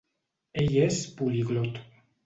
Ell és poliglot.